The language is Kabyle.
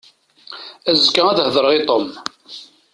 Azekka ad hedreɣ i Tom.